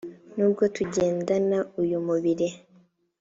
nubwo tugendana uyu mubiri